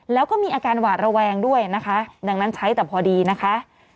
แล้วก็มีอาการหวาดระแวงด้วยนะคะดังนั้นใช้แต่พอดีนะคะ